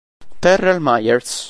Terrell Myers